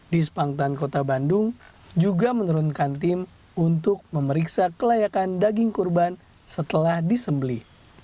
di spangtan kota bandung juga menurunkan tim untuk memeriksa kelayakan daging kurban setelah disembeli